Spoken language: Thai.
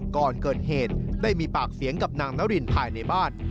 ก่อนเกิดเหตุได้มีปากเสียงกับนางนารินภายในบ้าน